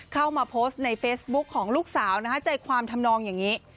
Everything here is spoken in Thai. เข้ามาโพสต์ในเฟซบุ๊คของลูกสาวนะคะใจความทำนองอย่างนี้